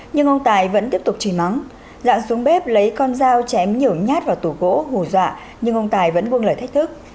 nhưng ông tài vẫn tiếp tục chửi máng giảng xuống bếp lấy con dao chém nhổ nhát vào tủ gỗ hù dọa nhưng ông tài vẫn quân lời thách thức